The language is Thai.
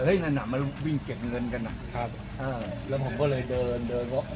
เฮ้ยนั่นหนังมาวิ่งเก็บเงินกันอ่ะครับอ่าแล้วผมก็เลยเดินเดิน